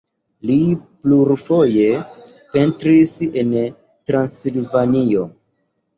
Li plurfoje pentris en Transilvanio.